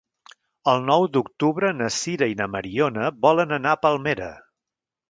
El nou d'octubre na Sira i na Mariona volen anar a Palmera.